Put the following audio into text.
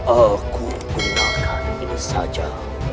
aku gunakan ini saja